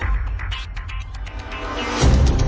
ตอนนี้ก็ไม่มีอัศวินทรีย์